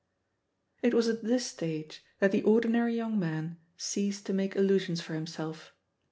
It was at this stage that the ordinary young man ceased to make illusions for himself.